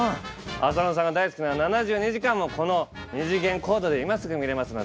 浅野さんが大好きな「７２時間」もこの２次元コードで今すぐ見れますのでぜひ見て下さい。